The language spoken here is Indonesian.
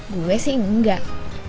gue sih enggak